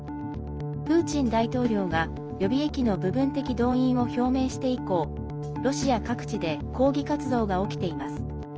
プーチン大統領が予備役の部分的動員を表明して以降ロシア各地で抗議活動が起きています。